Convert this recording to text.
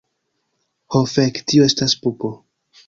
Ho fek, tio estas pupo.